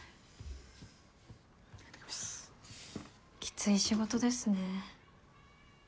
きつい仕事ですね。